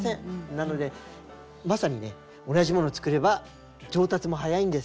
なのでまさにね同じ物を作れば上達も早いんです。